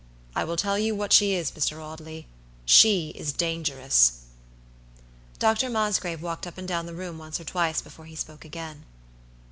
I will tell you what she is, Mr. Audley. She is dangerous!" Dr. Mosgrave walked up and down the room once or twice before he spoke again.